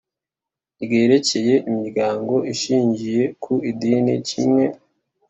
Ryerekeye imiryango ishingiye ku idini kimwe